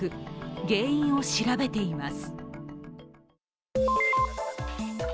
原因を調べています。